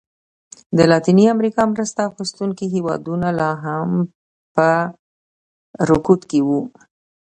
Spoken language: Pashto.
د لاتینې امریکا مرسته اخیستونکي هېوادونه لا هم په رکود کې وو.